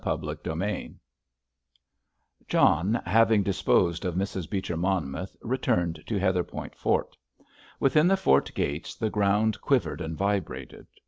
CHAPTER XXXIV John having disposed of Mrs. Beecher Monmouth returned to Heatherpoint Fort. Within the fort gates the ground quivered and vibrated.